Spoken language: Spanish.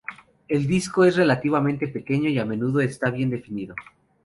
El disco es relativamente pequeño y a menudo está bien definido.